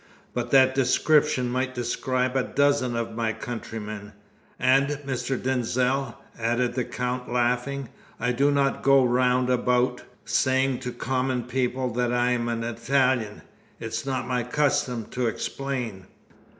But that description might describe a dozen of my countrymen. And, Mr. Denzil," added the Count, laughing, "I do not go round about saying to common people that I am an Italian. It is not my custom to explain."